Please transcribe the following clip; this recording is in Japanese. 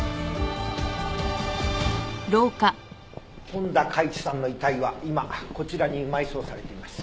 本多嘉壱さんの遺体は今こちらに埋葬されています。